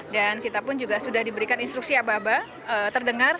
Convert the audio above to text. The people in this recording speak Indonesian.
dan kita pun juga sudah diberikan instruksi ababa terdengar